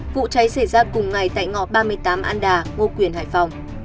vụ cháy xảy ra cùng ngày tại ngõ ba mươi tám an đà ngô quyền hải phòng